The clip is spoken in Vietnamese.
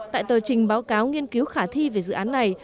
tại tờ trình báo cáo nghiên cứu khả thi về dự án này